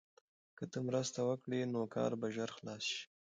که ته مرسته وکړې نو کار به ژر خلاص شي.